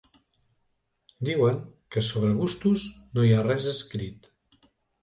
Diuen que sobre gustos no hi ha res escrit.